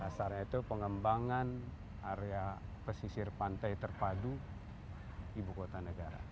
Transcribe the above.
dasarnya itu pengembangan area pesisir pantai terpadu ibu kota negara